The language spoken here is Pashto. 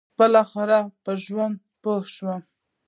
بالاخره په ژوند پوه شو.